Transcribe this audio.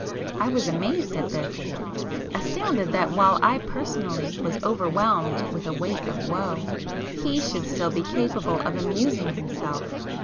I was amazed at this,—astounded that while I personally was overwhelmed with a weight of woe, he should still be capable of amusing himself.